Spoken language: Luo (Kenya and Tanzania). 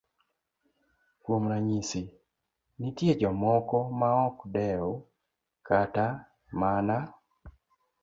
Kuom ranyisi, nitie jomoko maok dew kata mana